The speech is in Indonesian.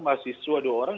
mahasiswa dua orang